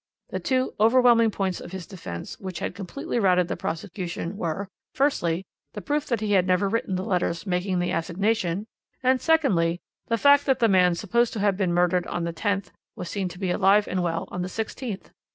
The two overwhelming points of his defence which had completely routed the prosecution were, firstly, the proof that he had never written the letters making the assignation, and secondly, the fact that the man supposed to have been murdered on the 10th was seen to be alive and well on the 16th.